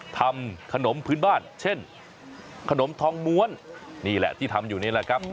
ทำขนมพื้นบ้านเช่นขนมทองม้วนนี่แหละที่ทำอยู่นี่แหละครับ